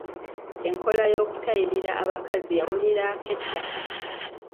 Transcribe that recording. Enkola ey’okutayirira abakazi yawulirwako edda.